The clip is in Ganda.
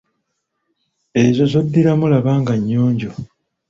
Ezo zoddiramu laba nga nnyonjo.